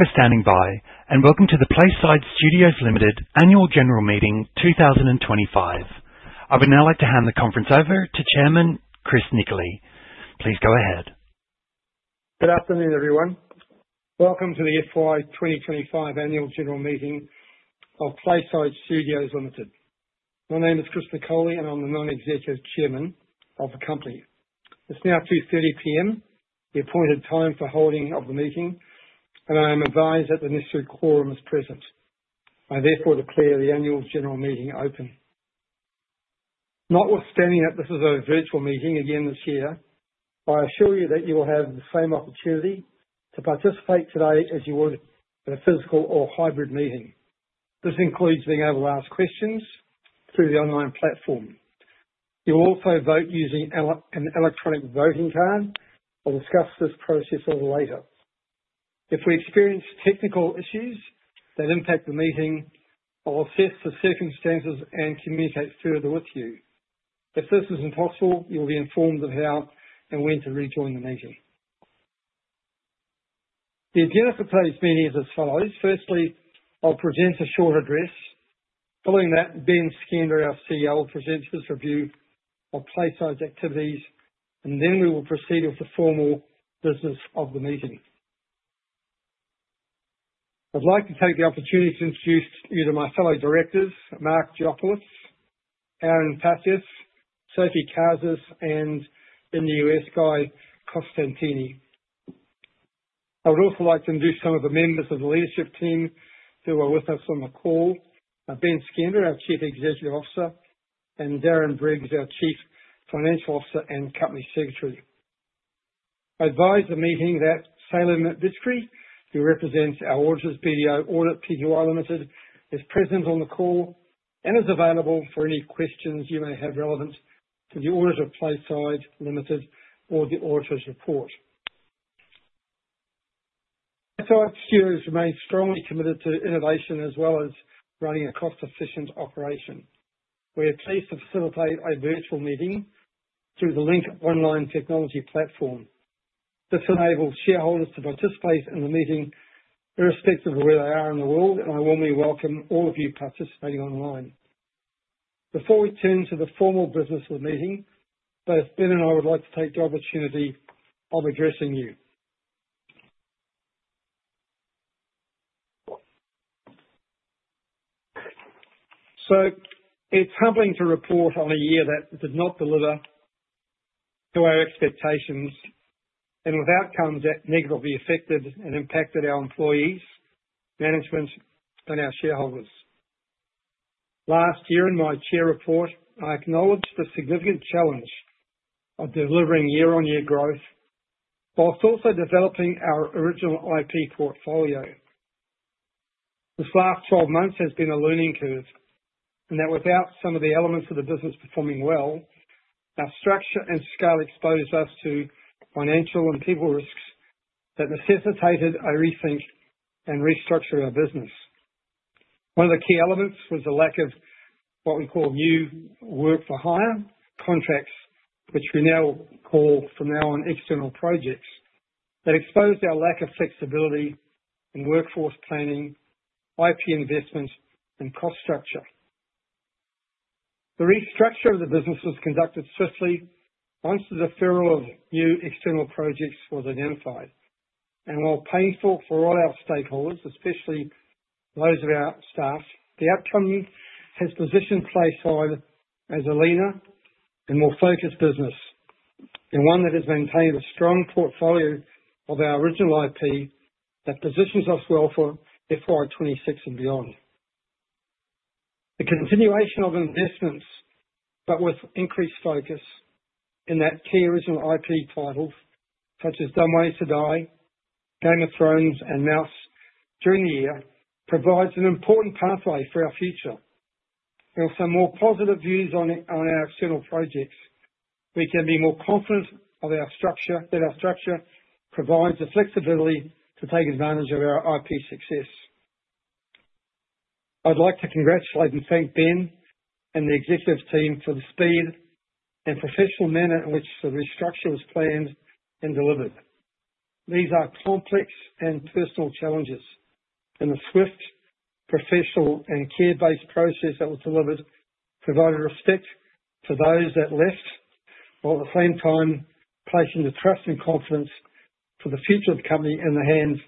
Thank you for standing by, and welcome to the PlaySide Studios Limited Annual General Meeting 2025. I would now like to hand the conference over to Chairman Chris Nicolle. Please go ahead. Good afternoon, everyone. Welcome to the FY 2025 Annual General Meeting of PlaySide Studios Limited. My name is Chris Nicolle, and I'm the Non-Executive Chairman of the company. It's now 2:30 P.M., the appointed time for holding of the meeting, and I am advised that the necessary quorum is present. I therefore declare the Annual General Meeting open. Notwithstanding that this is a virtual meeting again this year, I assure you that you will have the same opportunity to participate today as you would at a physical or hybrid meeting. This includes being able to ask questions through the online platform. You will also vote using an electronic voting card. We'll discuss this process a little later. If we experience technical issues that impact the meeting, I'll assess the circumstances and communicate further with you. If this is impossible, you'll be informed of how and when to rejoin the meeting. The agenda for today's meeting is as follows. Firstly, I'll present a short address. Following that, Benn Skender, our CEO, will present his review of PlaySide's activities, and then we will proceed with the formal business of the meeting. I'd like to take the opportunity to introduce you to my fellow directors, Mark Goulopoulos, Aaron Pascoe, Sophie Karzis, and Guy Costantini. I would also like to introduce some of the members of the leadership team who are with us on the call: Benn Skender, our Chief Executive Officer, and Darren Briggs, our Chief Financial Officer and Company Secretary. I advise the meeting that Sam Vickery, who represents our auditors' BDO Audit Pty Ltd, is present on the call and is available for any questions you may have relevant to the audit of PlaySide Ltd, or the auditors' report. PlaySide Studios remains strongly committed to innovation as well as running a cost-efficient operation. We are pleased to facilitate a virtual meeting through the Link Online Technology platform. This enables shareholders to participate in the meeting irrespective of where they are in the world, and I warmly welcome all of you participating online. Before we turn to the formal business of the meeting, both Benn and I would like to take the opportunity of addressing you. So, it's humbling to report on a year that did not deliver to our expectations and with outcomes that negatively affected and impacted our employees, management, and our shareholders. Last year, in my Chair report, I acknowledged the significant challenge of delivering year-on-year growth while also developing our original IP portfolio. This last 12 months has been a learning curve in that, without some of the elements of the business performing well, our structure and scale exposed us to financial and people risks that necessitated a rethink and restructure our business. One of the key elements was the lack of what we call new work-for-hire contracts, which we now call, from now on, external projects, that exposed our lack of flexibility in workforce planning, IP investment, and cost structure. The restructure of the business was conducted swiftly once the deferral of new external projects was identified, and while painful for all our stakeholders, especially those of our staff, the outcome has positioned PlaySide as a leaner and more focused business, and one that has maintained a strong portfolio of our original IP that positions us well for FY 2026 and beyond. The continuation of investments, but with increased focus in that key original IP titles such as Dumb Ways to Die, Game of Thrones, and Mouse during the year, provides an important pathway for our future. With some more positive views on our external projects, we can be more confident that our structure provides the flexibility to take advantage of our IP success. I'd like to congratulate and thank Benn and the executive team for the speed and professional manner in which the restructure was planned and delivered. These are complex and personal challenges, and the swift, professional, and care-based process that was delivered provided respect for those that left while at the same time placing the trust and confidence for the future of the company in the hands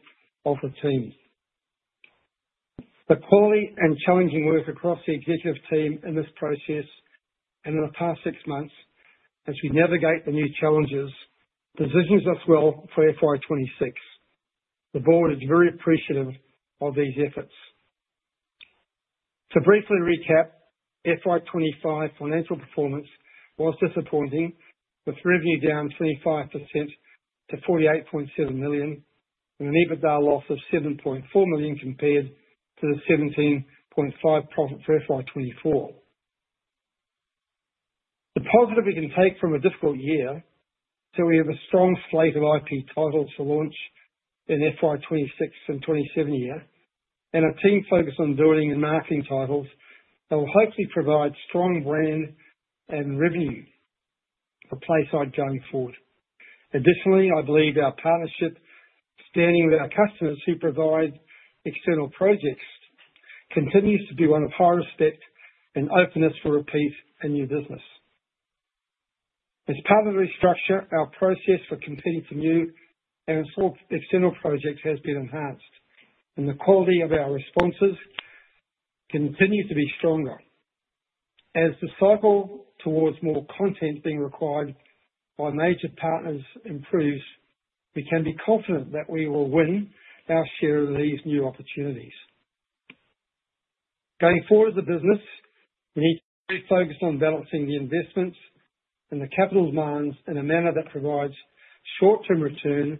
of the team. The quality and challenging work across the executive team in this process and in the past six months, as we navigate the new challenges, positions us well for FY 2026. The board is very appreciative of these efforts. To briefly recap, FY 2025 financial performance was disappointing, with revenue down 25% to 48.7 million and an EBITDA loss of 7.4 million compared to the 17.5 profit for FY 2024. The positive we can take from a difficult year is that we have a strong slate of IP titles to launch in FY 2026 and FY 2027 year and a team focused on building and marketing titles that will hopefully provide strong brand and revenue for PlaySide going forward. Additionally, I believe our partnership, standing with our customers who provide external projects, continues to be one of high respect and openness for repeat and new business. As part of the restructure, our process for competing for new and external projects has been enhanced, and the quality of our responses continues to be stronger. As the cycle towards more content being required by major partners improves, we can be confident that we will win our share of these new opportunities. Going forward as a business, we need to be focused on balancing the investments and the capital demands in a manner that provides short-term return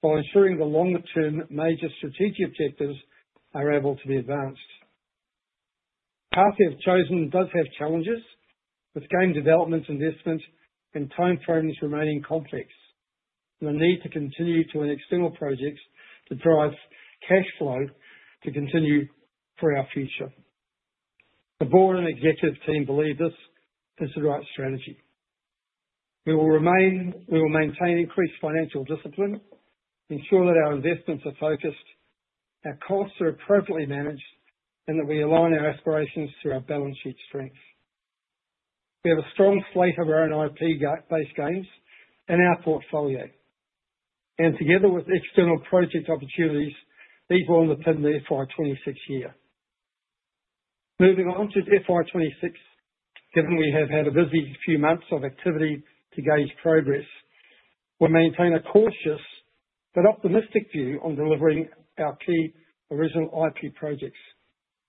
while ensuring the longer-term major strategic objectives are able to be advanced. The path we have chosen does have challenges, with game development investment and time frames remaining complex, and the need to continue to win external projects to drive cash flow to continue for our future. The board and executive team believe this is the right strategy. We will maintain increased financial discipline, ensure that our investments are focused, our costs are appropriately managed, and that we align our aspirations to our balance sheet strengths. We have a strong slate of our own IP-based games in our portfolio, and together with external project opportunities, these will underpin the FY 2026 year. Moving on to FY 2026, given we have had a busy few months of activity to gauge progress, we'll maintain a cautious but optimistic view on delivering our key original IP projects,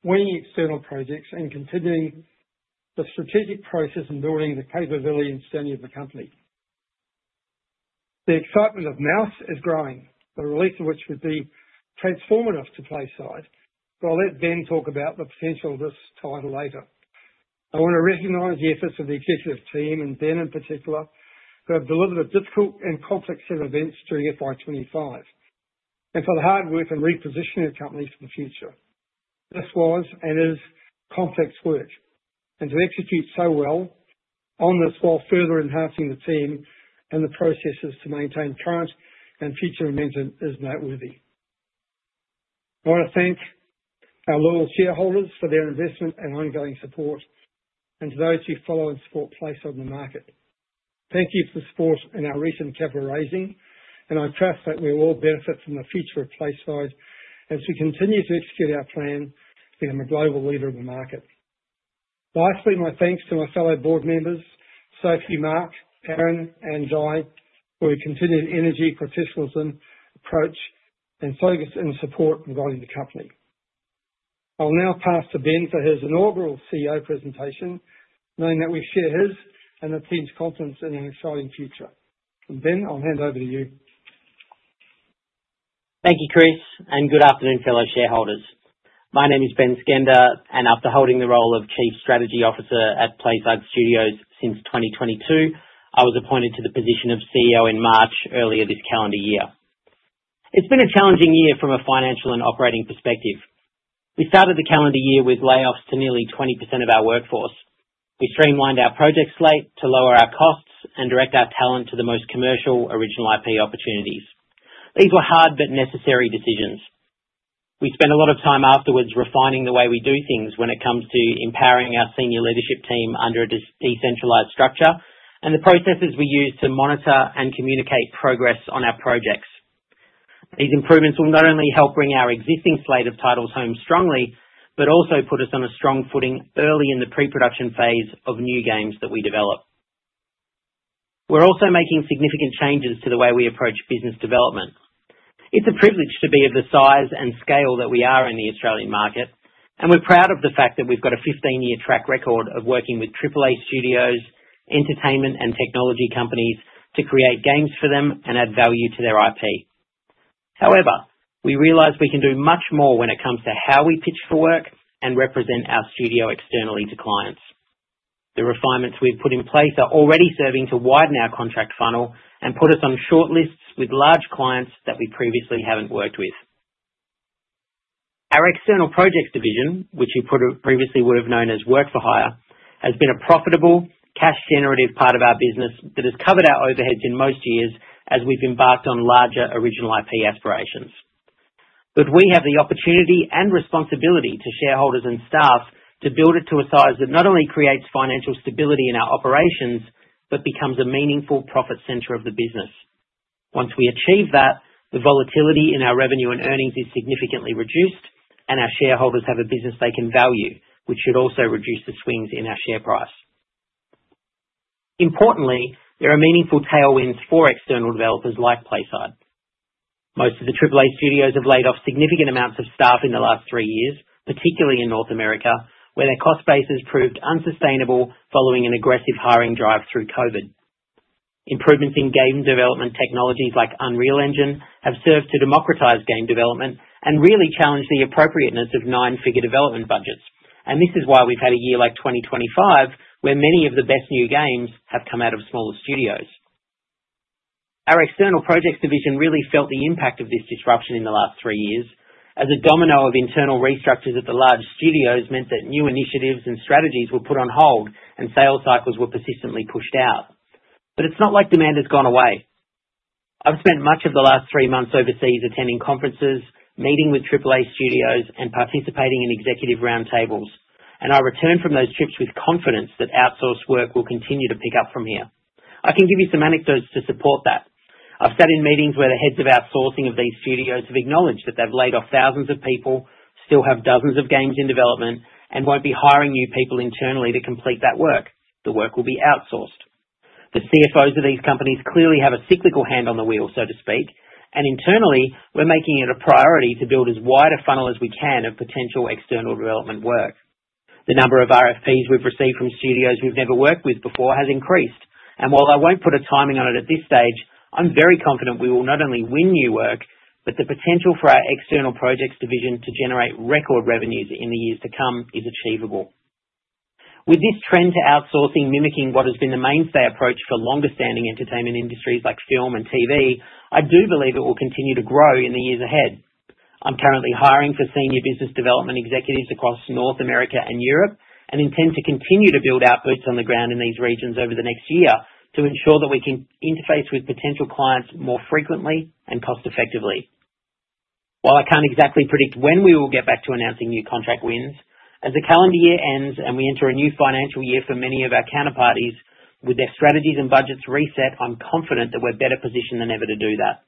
winning external projects, and continuing the strategic process in building the capability and standing of the company. The excitement of Mouse is growing, the release of which would be transformative to PlaySide, but I'll let Benn talk about the potential of this title later. I want to recognize the efforts of the executive team and Benn in particular, who have delivered a difficult and complex set of events during FY 2025, and for the hard work in repositioning the company for the future. This was and is complex work, and to execute so well on this while further enhancing the team and the processes to maintain current and future momentum is noteworthy. I want to thank our loyal shareholders for their investment and ongoing support, and to those who follow and support PlaySide in the market. Thank you for the support in our recent capital raising, and I trust that we will all benefit from the future of PlaySide as we continue to execute our plan to become a global leader in the market. Lastly, my thanks to my fellow board members, Sophie, Mark, Aaron, and Guy, for your continued energy, professionalism, approach, and focus and support regarding the company. I'll now pass to Benn for his inaugural CEO presentation, knowing that we share his and the team's confidence in an exciting future. And Benn, I'll hand over to you. Thank you, Chris, and good afternoon, fellow shareholders. My name is Benn Skender, and after holding the role of Chief Strategy Officer at PlaySide Studios since 2022, I was appointed to the position of CEO in March earlier this calendar year. It's been a challenging year from a financial and operating perspective. We started the calendar year with layoffs to nearly 20% of our workforce. We streamlined our project slate to lower our costs and direct our talent to the most commercial original IP opportunities. These were hard but necessary decisions. We spent a lot of time afterwards refining the way we do things when it comes to empowering our senior leadership team under a decentralized structure and the processes we use to monitor and communicate progress on our projects. These improvements will not only help bring our existing slate of titles home strongly but also put us on a strong footing early in the pre-production phase of new games that we develop. We're also making significant changes to the way we approach business development. It's a privilege to be of the size and scale that we are in the Australian market, and we're proud of the fact that we've got a 15-year track record of working with AAA studios, entertainment, and technology companies to create games for them and add value to their IP. However, we realize we can do much more when it comes to how we pitch for work and represent our studio externally to clients. The refinements we've put in place are already serving to widen our contract funnel and put us on shortlists with large clients that we previously haven't worked with. Our external projects division, which you previously would have known as work-for-hire, has been a profitable, cash-generative part of our business that has covered our overheads in most years as we've embarked on larger original IP aspirations. But we have the opportunity and responsibility to shareholders and staff to build it to a size that not only creates financial stability in our operations but becomes a meaningful profit center of the business. Once we achieve that, the volatility in our revenue and earnings is significantly reduced, and our shareholders have a business they can value, which should also reduce the swings in our share price. Importantly, there are meaningful tailwinds for external developers like PlaySide. Most of the AAA studios have laid off significant amounts of staff in the last three years, particularly in North America, where their cost bases proved unsustainable following an aggressive hiring drive through COVID. Improvements in game development technologies like Unreal Engine have served to democratize game development and really challenged the appropriateness of nine-figure development budgets, and this is why we've had a year like 2025, where many of the best new games have come out of smaller studios. Our external projects division really felt the impact of this disruption in the last three years, as a domino of internal restructures at the large studios meant that new initiatives and strategies were put on hold and sales cycles were persistently pushed out, but it's not like demand has gone away. I've spent much of the last three months overseas attending conferences, meeting with AAA studios, and participating in executive roundtables, and I returned from those trips with confidence that outsourced work will continue to pick up from here. I can give you some anecdotes to support that. I've sat in meetings where the heads of outsourcing of these studios have acknowledged that they've laid off thousands of people, still have dozens of games in development, and won't be hiring new people internally to complete that work. The work will be outsourced. The CFOs of these companies clearly have a cyclical hand on the wheel, so to speak, and internally, we're making it a priority to build as wide a funnel as we can of potential external development work. The number of RFPs we've received from studios we've never worked with before has increased, and while I won't put a timing on it at this stage, I'm very confident we will not only win new work, but the potential for our external projects division to generate record revenues in the years to come is achievable. With this trend to outsourcing mimicking what has been the mainstay approach for longer-standing entertainment industries like film and TV, I do believe it will continue to grow in the years ahead. I'm currently hiring for senior business development executives across North America and Europe and intend to continue to build outputs on the ground in these regions over the next year to ensure that we can interface with potential clients more frequently and cost-effectively. While I can't exactly predict when we will get back to announcing new contract wins, as the calendar year ends and we enter a new financial year for many of our counterparties with their strategies and budgets reset, I'm confident that we're better positioned than ever to do that.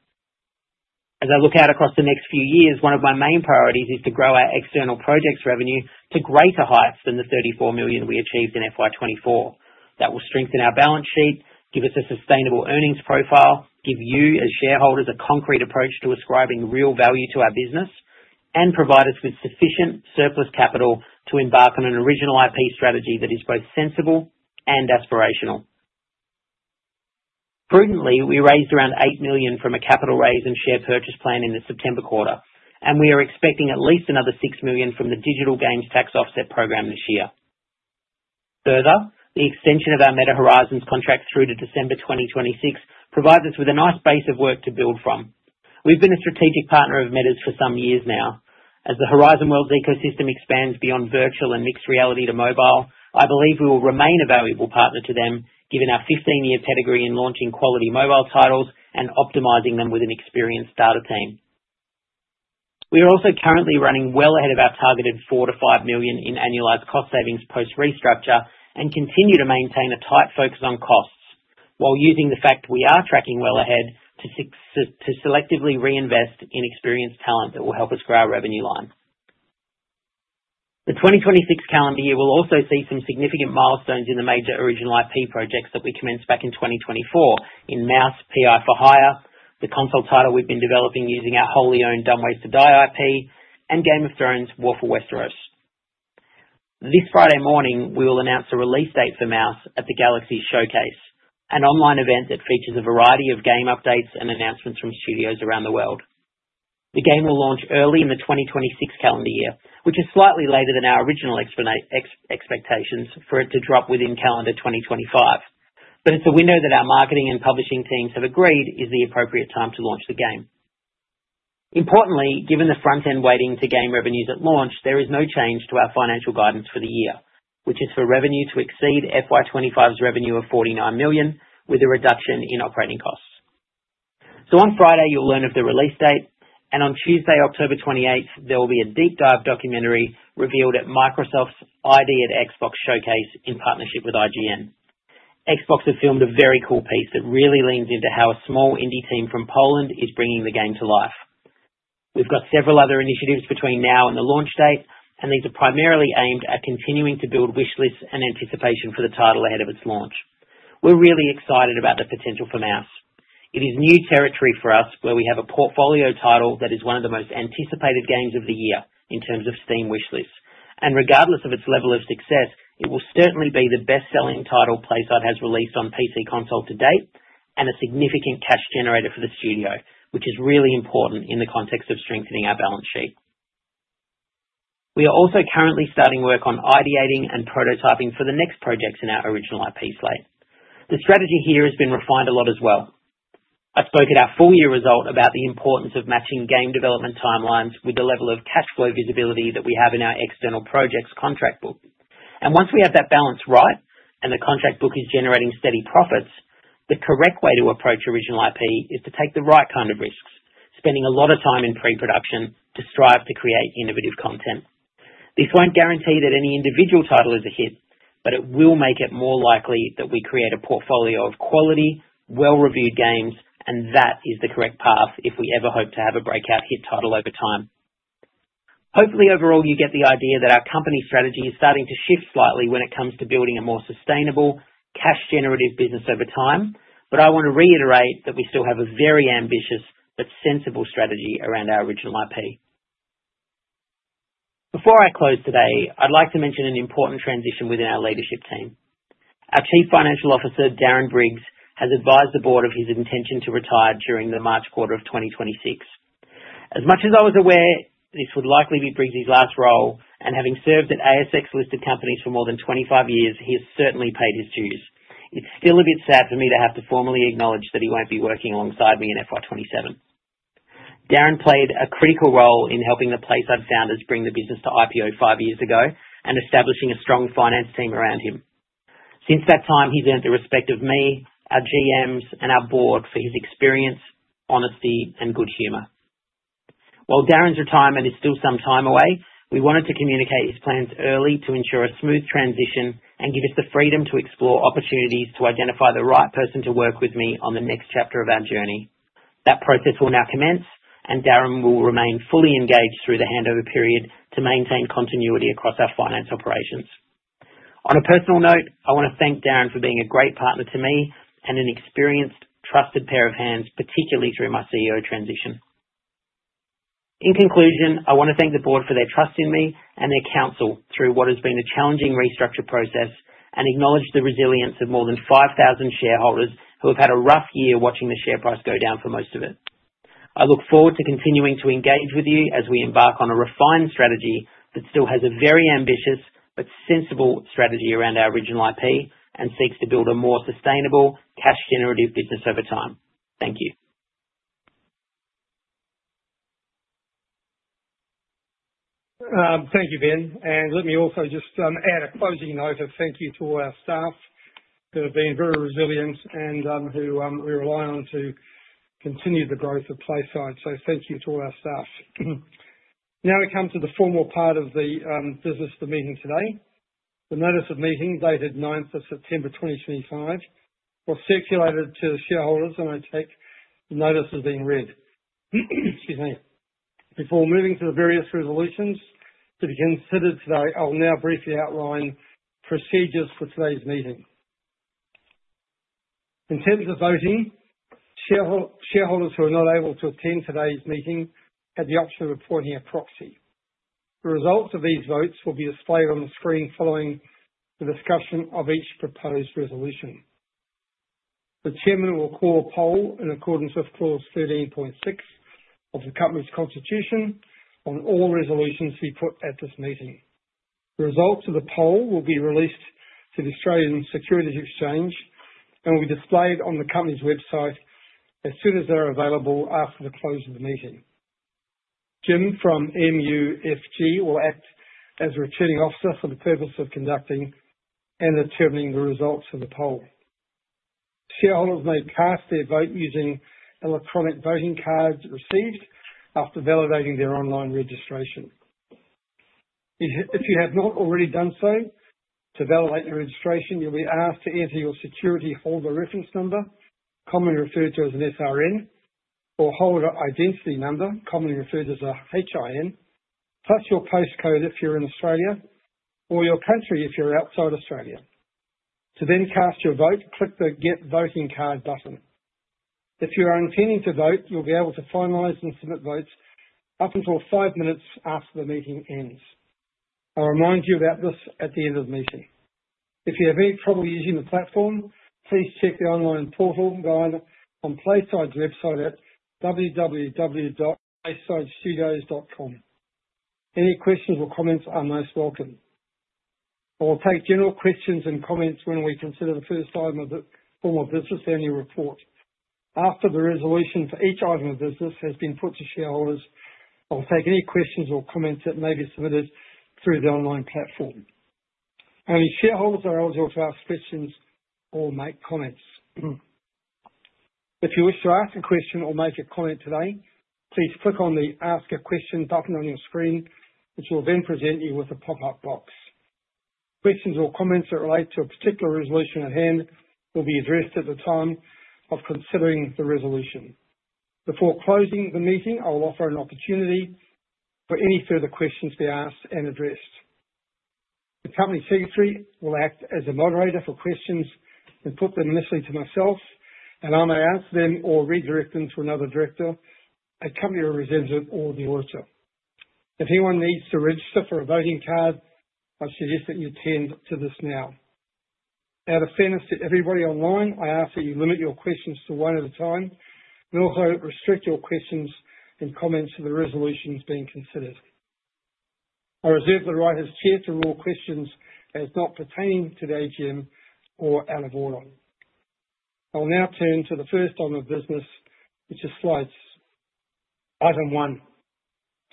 As I look out across the next few years, one of my main priorities is to grow our external projects revenue to greater heights than the 34 million we achieved in FY 2024. That will strengthen our balance sheet, give us a sustainable earnings profile, give you as shareholders a concrete approach to ascribing real value to our business, and provide us with sufficient surplus capital to embark on an original IP strategy that is both sensible and aspirational. Prudently, we raised around 8 million from a capital raise and share purchase plan in the September quarter, and we are expecting at least another 6 million from the Digital Games Tax Offset program this year. Further, the extension of our Meta Horizon contract through to December 2026 provides us with a nice base of work to build from. We've been a strategic partner of Meta's for some years now. As the Horizon Worlds ecosystem expands beyond virtual and mixed reality to mobile, I believe we will remain a valuable partner to them, given our 15-year pedigree in launching quality mobile titles and optimizing them with an experienced data team. We are also currently running well ahead of our targeted 4 to 5 million in annualized cost savings post-restructure and continue to maintain a tight focus on costs while using the fact we are tracking well ahead to selectively reinvest in experienced talent that will help us grow our revenue line. The 2026 calendar year will also see some significant milestones in the major original IP projects that we commenced back in 2024 in Mouse: P.I. for Hire, the console title we've been developing using our wholly owned Dumb Ways to Die IP, and Game of Thrones: War for Westeros. This Friday morning, we will announce a release date for Mouse at the Galaxy Showcase, an online event that features a variety of game updates and announcements from studios around the world. The game will launch early in the 2026 calendar year, which is slightly later than our original expectations for it to drop within calendar 2025. But it's a window that our marketing and publishing teams have agreed is the appropriate time to launch the game. Importantly, given the front-end weighting to game revenues at launch, there is no change to our financial guidance for the year, which is for revenue to exceed FY 2025's revenue of 49 million with a reduction in operating costs. So on Friday, you'll learn of the release date, and on Tuesday, October 28th, there will be a deep dive documentary revealed at Microsoft's ID@Xbox Showcase in partnership with IGN. Xbox have filmed a very cool piece that really leans into how a small indie team from Poland is bringing the game to life. We've got several other initiatives between now and the launch date, and these are primarily aimed at continuing to build wishlists and anticipation for the title ahead of its launch. We're really excited about the potential for Mouse. It is new territory for us where we have a portfolio title that is one of the most anticipated games of the year in terms of Steam wishlists, and regardless of its level of success, it will certainly be the best-selling title PlaySide has released on PC console to date and a significant cash generator for the studio, which is really important in the context of strengthening our balance sheet. We are also currently starting work on ideating and prototyping for the next projects in our original IP slate. The strategy here has been refined a lot as well. I spoke at our full-year result about the importance of matching game development timelines with the level of cash flow visibility that we have in our external projects contract book. And once we have that balance right and the contract book is generating steady profits, the correct way to approach original IP is to take the right kind of risks, spending a lot of time in pre-production to strive to create innovative content. This won't guarantee that any individual title is a hit, but it will make it more likely that we create a portfolio of quality, well-reviewed games, and that is the correct path if we ever hope to have a breakout hit title over time. Hopefully, overall, you get the idea that our company strategy is starting to shift slightly when it comes to building a more sustainable, cash-generative business over time, but I want to reiterate that we still have a very ambitious but sensible strategy around our original IP. Before I close today, I'd like to mention an important transition within our leadership team. Our Chief Financial Officer, Darren Briggs, has advised the board of his intention to retire during the March quarter of 2026. As much as I was aware, this would likely be Briggs' last role, and having served at ASX-listed companies for more than 25 years, he has certainly paid his dues. It's still a bit sad for me to have to formally acknowledge that he won't be working alongside me in FY 2027. Darren played a critical role in helping the PlaySide founders bring the business to IPO five years ago and establishing a strong finance team around him. Since that time, he's earned the respect of me, our GMs, and our board for his experience, honesty, and good humor. While Darren's retirement is still some time away, we wanted to communicate his plans early to ensure a smooth transition and give us the freedom to explore opportunities to identify the right person to work with me on the next chapter of our journey. That process will now commence, and Darren will remain fully engaged through the handover period to maintain continuity across our finance operations. On a personal note, I want to thank Darren for being a great partner to me and an experienced, trusted pair of hands, particularly through my CEO transition. In conclusion, I want to thank the board for their trust in me and their counsel through what has been a challenging restructure process and acknowledge the resilience of more than 5,000 shareholders who have had a rough year watching the share price go down for most of it. I look forward to continuing to engage with you as we embark on a refined strategy that still has a very ambitious but sensible strategy around our original IP and seeks to build a more sustainable, cash-generative business over time. Thank you. Thank you, Benn, and let me also just add a closing note of thank you to all our staff who have been very resilient and who we rely on to continue the growth of PlaySide, so thank you to all our staff. Now we come to the formal part of the business of the meeting today. The notice of meeting dated 9th of September 2025 was circulated to the shareholders, and I take the notice as being read. Excuse me. Before moving to the various resolutions to be considered today, I'll now briefly outline procedures for today's meeting. In terms of voting, shareholders who are not able to attend today's meeting have the option of appointing a proxy. The results of these votes will be displayed on the screen following the discussion of each proposed resolution. The chairman will call a poll in accordance with Clause 13.6 of the company's constitution on all resolutions to be put at this meeting. The results of the poll will be released to the Australian Securities Exchange and will be displayed on the company's website as soon as they're available after the close of the meeting. Jim from MUFG will act as a returning officer for the purpose of conducting and determining the results of the poll. Shareholders may cast their vote using electronic voting cards received after validating their online registration. If you have not already done so, to validate your registration, you'll be asked to enter your securityholder reference number, commonly referred to as an SRN, or holder identification number, commonly referred to as a HIN, plus your postcode if you're in Australia or your country if you're outside Australia. To then cast your vote, click the Get Voting Card button. If you are intending to vote, you'll be able to finalize and submit votes up until five minutes after the meeting ends. I'll remind you about this at the end of the meeting. If you have any trouble using the platform, please check the online portal on PlaySide's website at www.playside.com. Any questions or comments are most welcome. I'll take general questions and comments when we consider the first item of the form of business, the annual report. After the resolution for each item of business has been put to shareholders, I'll take any questions or comments that may be submitted through the online platform. Only shareholders are eligible to ask questions or make comments. If you wish to ask a question or make a comment today, please click on the Ask a Question button on your screen, which will then present you with a pop-up box. Questions or comments that relate to a particular resolution at hand will be addressed at the time of considering the resolution. Before closing the meeting, I will offer an opportunity for any further questions to be asked and addressed. The company secretary will act as a moderator for questions and put them initially to myself, and I may answer them or redirect them to another director, a company representative, or the auditor. If anyone needs to register for a voting card, I suggest that you attend to this now. Out of fairness to everybody online, I ask that you limit your questions to one at a time and also restrict your questions and comments to the resolutions being considered. I reserve the right as chair to rule questions as not pertaining to the AGM or out of order. I'll now turn to the first item of business, which is slides item one,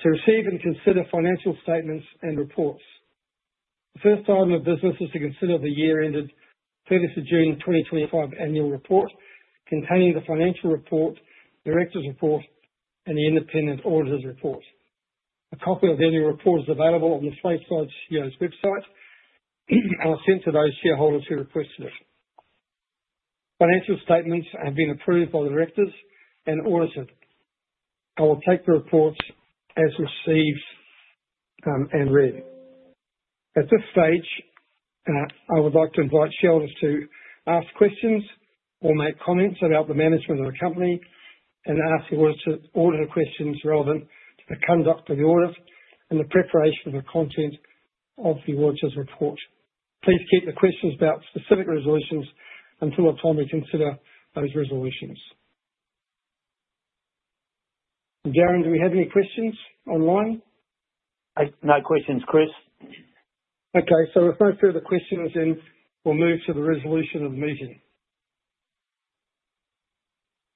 to receive and consider financial statements and reports. The first item of business is to consider the year-ended 30th of June 2025 annual report containing the financial report, director's report, and the independent auditor's report. A copy of the annual report is available on the PlaySide Studios' website and was sent to those shareholders who requested it. Financial statements have been approved by the directors and audited. I will take the reports as received and read. At this stage, I would like to invite shareholders to ask questions or make comments about the management of the company and ask the auditor questions relevant to the conduct of the audit and the preparation of the content of the auditor's report. Please keep the questions about specific resolutions until the time we consider those resolutions. Darren, do we have any questions online? No questions, Chris. Okay, so if no further questions, then we'll move to the resolution of the meeting.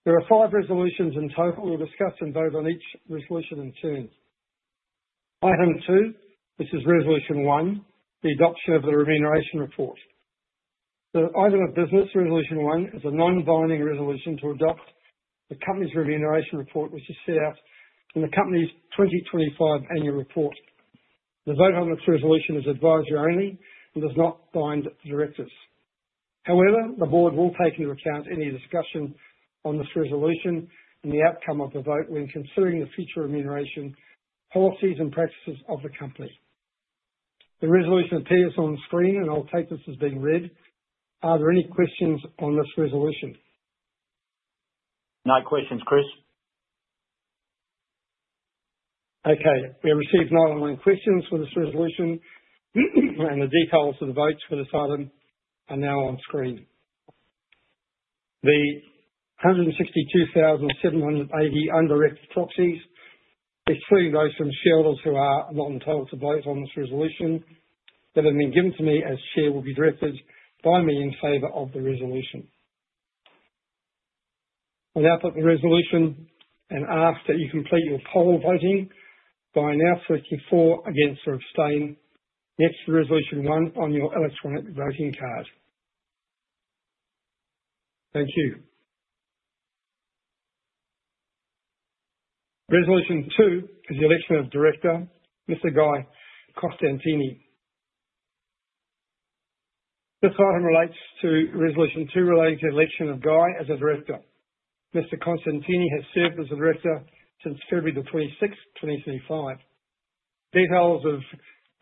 There are five resolutions in total. We'll discuss and vote on each resolution in turn. Item two, which is resolution one, the adoption of the remuneration report. The item of business, resolution one, is a non-binding resolution to adopt the company's remuneration report, which is set out in the company's 2025 annual report. The vote on this resolution is advisory only and does not bind the directors. However, the board will take into account any discussion on this resolution and the outcome of the vote when considering the future remuneration policies and practices of the company. The resolution appears on the screen, and I'll take this as being read. Are there any questions on this resolution? No questions, Chris. Okay. We have received not only questions for this resolution, and the details of the votes for this item are now on screen. The 162,780 undirected proxies, excluding those from shareholders who are not entitled to vote on this resolution, that have been given to me as chair will be directed by me in favor of the resolution. I'll now put the resolution and ask that you complete your poll voting by now selecting for, against, or abstain next to resolution one on your electronic voting card. Thank you. Resolution 2 is the election of director, Mr. Guy Costantini. This item relates to resolution two relating to the election of Guy as a director. Mr. Costantini has served as a director since February the 26th, 2025. Details of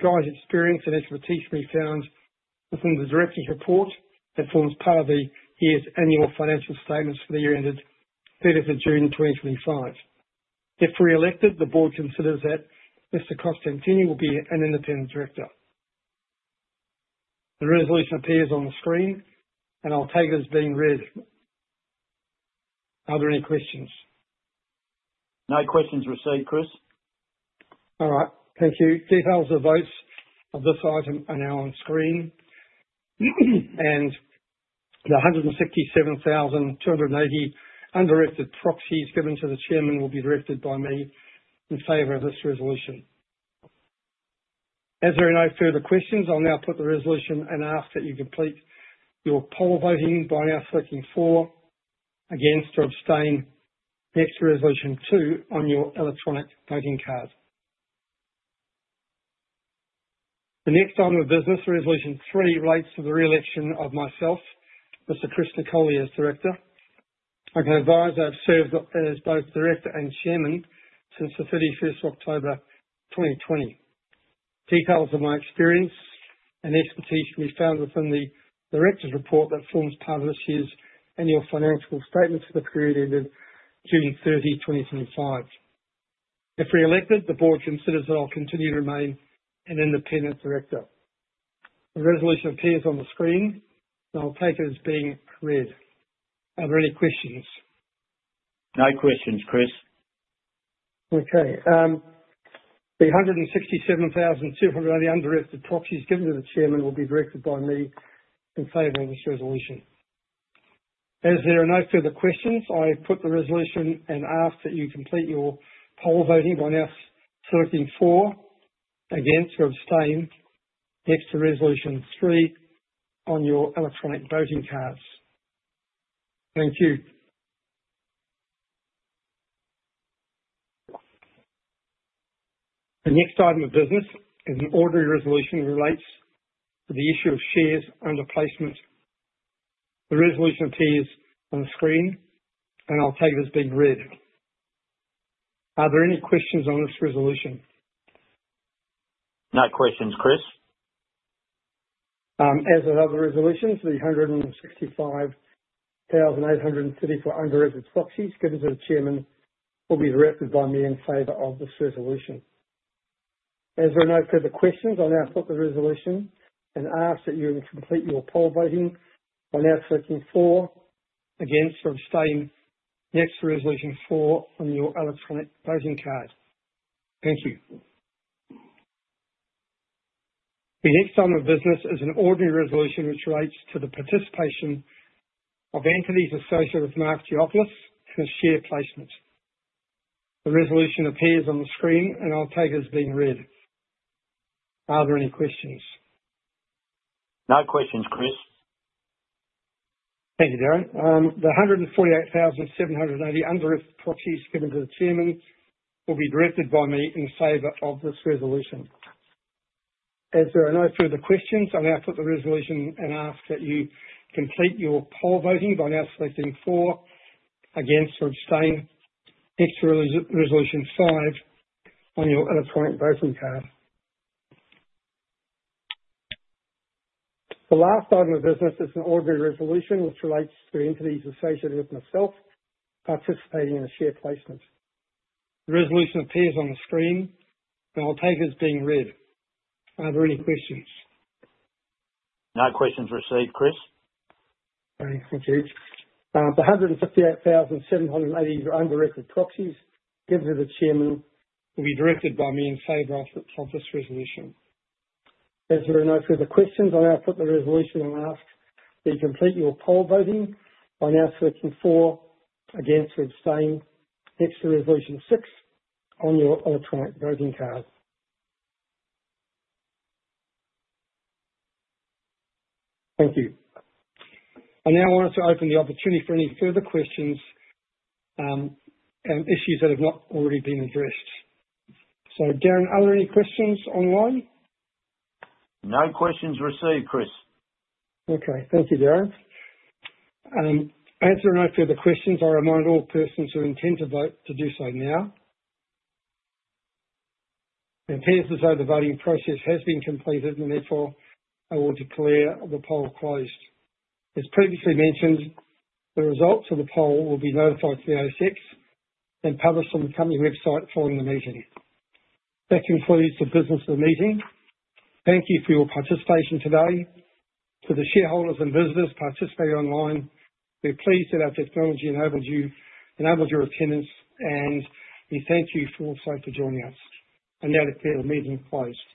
Guy's experience and expertise can be found within the director's report that forms part of the year's annual financial statements for the year-ended 30th of June 2025. If re-elected, the board considers that Mr. Costantini will be an independent director. The resolution appears on the screen, and I'll take it as being read. Are there any questions? No questions received, Chris. All right. Thank you. Details of votes of this item are now on screen, and the 167,280 undirected proxies given to the chairman will be directed by me in favor of this resolution. As there are no further questions, I'll now put the resolution and ask that you complete your poll voting by now selecting for, against, or abstain next to resolution two on your electronic voting card. The next item of business, resolution three, relates to the re-election of myself, Mr. Chris Nicolle, as director. I can advise I've served as both director and chairman since the 31st of October 2020. Details of my experience and expertise can be found within the director's report that forms part of this year's annual financial statements for the period ended June 30, 2025. If re-elected, the board considers that I'll continue to remain an independent director. The resolution appears on the screen, and I'll take it as being read. Are there any questions? No questions, Chris. Okay. The 167,280 undirected proxies given to the chairman will be directed by me in favor of this resolution. As there are no further questions, I put the resolution and ask that you complete your poll voting by now selecting for, against, or abstain next to resolution three on your electronic voting cards. Thank you. The next item of business is an ordinary resolution relating to the issue of shares under placement. The resolution appears on the screen, and I'll take it as being read. Are there any questions on this resolution? No questions, Chris. As with other resolutions, the 165,834 undirected proxies given to the chairman will be directed by me in favor of this resolution. As there are no further questions, I'll now put the resolution and ask that you complete your poll voting by now selecting for, against, or abstain next to resolution four on your electronic voting card. Thank you. The next item of business is an ordinary resolution which relates to the participation of entities associated with Mark Goulopoulos and share placement. The resolution appears on the screen, and I'll take it as being read. Are there any questions? No questions, Chris. Thank you, Darren. The 148,780 undirected proxies given to the chairman will be directed by me in favor of this resolution. As there are no further questions, I'll now put the resolution and ask that you complete your poll voting by now selecting for, against, or abstain next to resolution five on your electronic voting card. The last item of business is an ordinary resolution which relates to entities associated with myself participating in share placement. The resolution appears on the screen, and I'll take it as being read. Are there any questions? No questions received, Chris. Thank you. The 158,780 undirected proxies given to the chairman will be directed by me in favor of this resolution. As there are no further questions, I'll now put the resolution and ask that you complete your poll voting by now selecting for, against, or abstain next to resolution six on your electronic voting card. Thank you. I now want to open the opportunity for any further questions and issues that have not already been addressed. So, Darren, are there any questions online? No questions received, Chris. Okay. Thank you, Darren. As there are no further questions, I remind all persons who intend to vote to do so now. It appears as though the voting process has been completed, and therefore I will declare the poll closed. As previously mentioned, the results of the poll will be notified to the ASX and published on the company website following the meeting. That concludes the business of the meeting. Thank you for your participation today. To the shareholders and visitors participating online, we're pleased that our technology enabled your attendance, and we thank you for joining us, and now declare the meeting closed.